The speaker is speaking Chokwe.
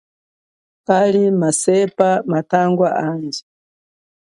Kali masepa mathangwa handji.